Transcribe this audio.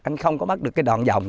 anh không có mất được cái đoạn dòng